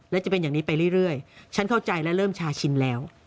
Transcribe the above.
และจะเป็นอย่างนี้ไปเรื่อยฉันเข้าใจและเริ่มชาชิมแล้ว